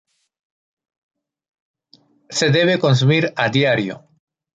Se debe consumir a diario.